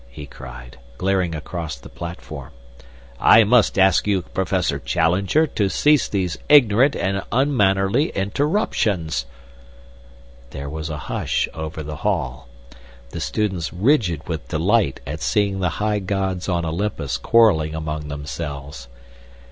he cried, glaring across the platform. "I must ask you, Professor Challenger, to cease these ignorant and unmannerly interruptions." There was a hush over the hall, the students rigid with delight at seeing the high gods on Olympus quarrelling among themselves.